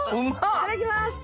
いただきます。